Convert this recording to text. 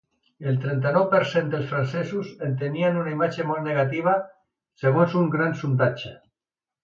El trenta-nou per cent dels francesos en tenien una imatge molt negativa, segons un gran sondatge.